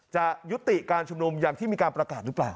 ยุติการชุมนุมอย่างที่มีการประกาศหรือเปล่า